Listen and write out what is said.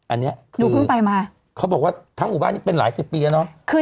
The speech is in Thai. อันนี้หนูเพิ่งไปมาเขาบอกว่าทั้งหมู่บ้านนี้เป็นหลายสิบปีแล้วเนอะ